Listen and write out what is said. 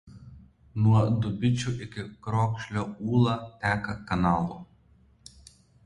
Nuo Dubičių iki Krokšlio Ūla teka kanalu.